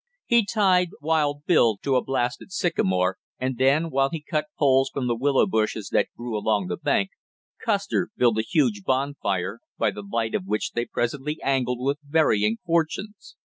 He tied wild Bill to a blasted sycamore, and then, while he cut poles from the willow bushes that grew along the bank, Custer built a huge bonfire, by the light of which they presently angled with varying fortunes.